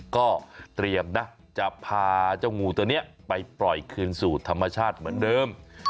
ก็เตรียมนะจะพาเจ้างูตัวนี้ไปปล่อยคืนสู่ธรรมชาติเหมือนเดิม